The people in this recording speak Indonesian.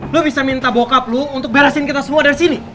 lo bisa minta bokap lo untuk beresin kita semua dari sini